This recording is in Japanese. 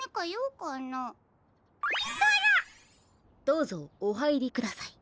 どうぞおはいりください。